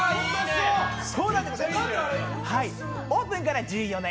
オープンから１４年。